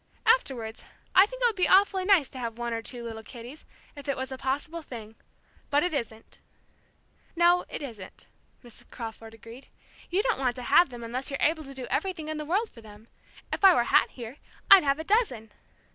afterwards, I think it would be awfully nice to have one or two little kiddies, if it was a possible thing. But it isn't." "No, it isn't," Mrs. Crawford agreed. "You don't want to have them unless you're able to do everything in the world for them. If I were Hat here, I'd have a dozen."